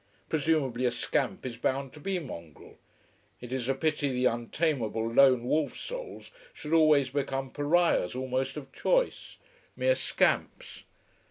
Presumably a scamp is bound to be mongrel. It is a pity the untamable, lone wolf souls should always become pariahs, almost of choice: mere scamps.